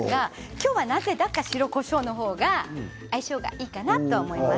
今日は、白こしょうの方が相性がいいかと思います。